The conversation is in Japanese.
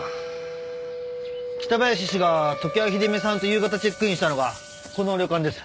北林氏が常盤秀美さんと夕方チェックインしたのがこの旅館です。